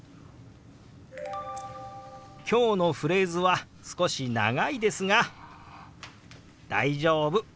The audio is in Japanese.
今日のフレーズは少し長いですが大丈夫。